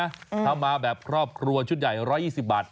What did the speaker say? ชุดใหญ่กับชุดเล็กนะทำมาแบบครอบครัวชุดใหญ่๑๒๐บาท